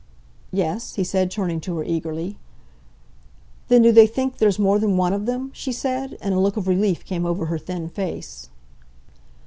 "Yes," he said, turning to her eagerly. "Then do they think there's more than one of them?" she said, and a look of relief came over her thin face.